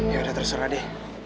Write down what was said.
yaudah terserah deh